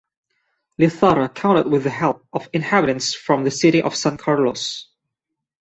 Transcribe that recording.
Lizarra counted with the help of inhabitants from the city of San Carlos.